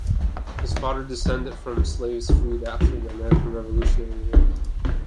His father was descended from slaves freed after the American Revolutionary War.